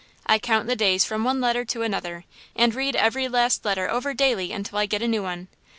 I count the days from one letter to another, and read every last letter over daily until I get a new one.